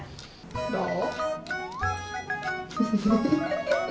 どう？